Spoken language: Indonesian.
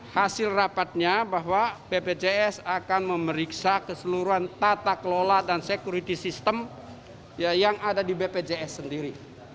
hasil rapatnya bahwa bpjs akan memeriksa keseluruhan tata kelola dan security system yang ada di bpjs sendiri